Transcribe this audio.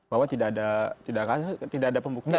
bahwa tidak ada pembukaan